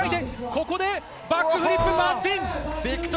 ここでバックフリップバースピン！